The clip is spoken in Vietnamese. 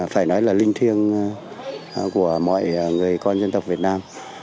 phải nói là linh thiêng của mọi người con dân tộc việt nam